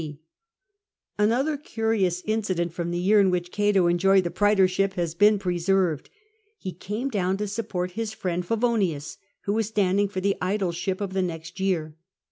^^^ Another curious incident from the year in which Oato enjoyed the praetorship has been preserved. He came down to support his friend Pavonius, who was standing for the aedileship of the next year.